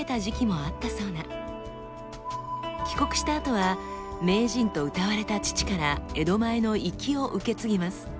帰国したあとは名人とうたわれた父から江戸前の粋を受け継ぎます。